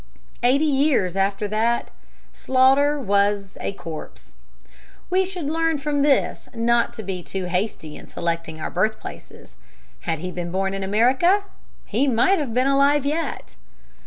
Eighty years after that, Sloughter was a corpse. We should learn from this not to be too hasty in selecting our birthplaces. Had he been born in America, he might have been alive yet.